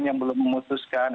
yang belum memutuskan